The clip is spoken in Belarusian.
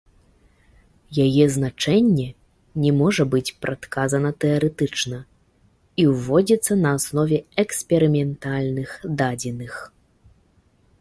Яе значэнне не можа быць прадказана тэарэтычна і ўводзіцца на аснове эксперыментальных дадзеных.